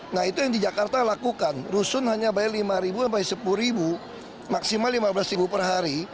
nah itu yang di jakarta lakukan rusun hanya bayar rp lima sampai sepuluh maksimal rp lima belas per hari